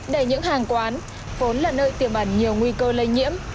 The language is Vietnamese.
để những hàng quán vốn là nơi tiềm ẩn nhiều nguy cơ lây nhiễm